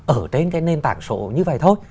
ở trên cái nền tảng số như vậy thôi